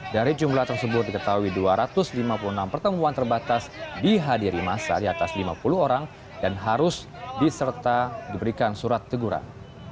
dari jumlah tersebut diketahui dua ratus lima puluh enam pertemuan terbatas dihadiri masa di atas lima puluh orang dan harus diserta diberikan surat teguran